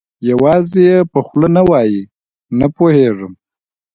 یوازې یې په خوله نه وایي، نه پوهېږم.